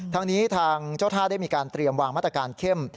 ทางนี้ทางเจ้าท่าได้มีการเตรียมวางมาตรการเข้ม